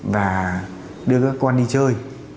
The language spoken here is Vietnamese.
và đưa các con đi chơi